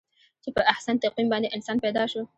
چې په احسن تقویم باندې انسان پیدا شو.